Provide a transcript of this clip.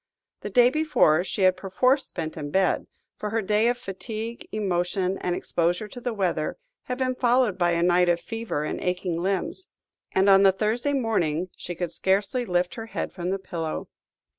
The day before she had perforce spent in bed, for her day of fatigue, emotion, and exposure to the weather, had been followed by a night of fever and aching limbs; and on the Thursday morning she could scarcely lift her head from the pillow.